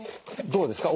どうですか？